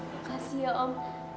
makasih ya om